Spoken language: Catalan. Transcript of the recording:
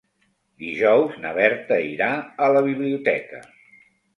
Dijous na Berta irà a la biblioteca.